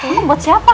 itu buat siapa